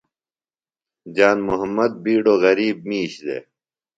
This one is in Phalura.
جان محمد بِیڈوۡ غریب مِیش دےۡ۔